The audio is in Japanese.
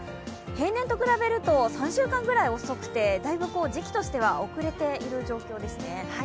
平年と比べると３週間ぐらい遅くてだいぶ時期としては遅れている状況ですね。